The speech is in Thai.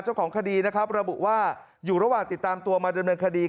เจ้าของคดีนะครับระบุว่าอยู่ระหว่างติดตามตัวมาดำเนินคดี